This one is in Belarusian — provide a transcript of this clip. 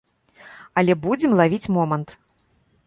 Але будзем лавіць момант.